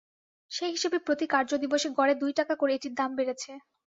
সেই হিসেবে প্রতি কার্যদিবসে গড়ে দুই টাকা করে এটির দাম বেড়েছে।